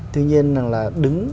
tuy nhiên là đứng